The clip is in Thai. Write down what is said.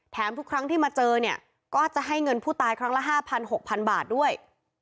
ทุกครั้งที่มาเจอเนี่ยก็จะให้เงินผู้ตายครั้งละ๕๐๐๖๐๐๐บาทด้วย